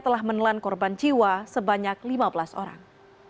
telah menelan korban jiwa sebanyak lima belas orang